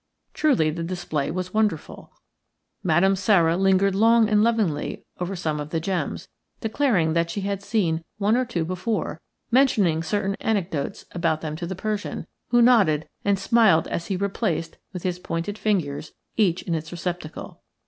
Truly the display was wonderful. Madame Sara lingered long and lovingly over some of the gems, declaring that she had seen one or two before, mentioning certain anecdotes about them to the Persian, who nodded and smiled as he replaced, with his pointed fingers, each in its receptacle.